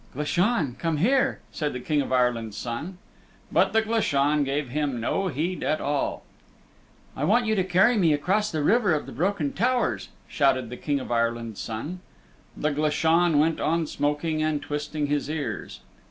"Glashan, come here," said the King of Ireland's Son. But the Glashan gave him no heed at all. "I want you to carry me across the River of the Broken Towers," shouted the King of Ireland's Son. The Glashan went on smoking and twisting his ears.